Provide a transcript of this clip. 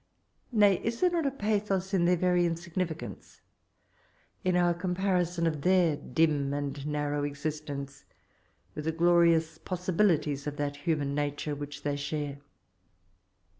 Kay, is there not a pathos in their veiy insignificance, — in our comparison of their dim and narrow existence with the glorious possibilities of that human nature which they share